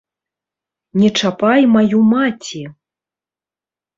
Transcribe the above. Не чапай маю маці!